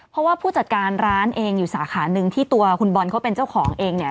เพราะว่าผู้จัดการร้านเองอยู่สาขาหนึ่งที่ตัวคุณบอลเขาเป็นเจ้าของเองเนี่ย